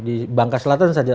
di bangka selatan saja